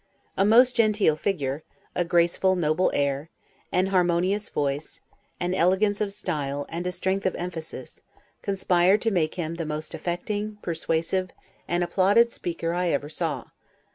A most genteel figure, a graceful, noble air, an harmonious voice, an elegance of style, and a strength of emphasis, conspired to make him the most affecting, persuasive, and applauded speaker I ever saw.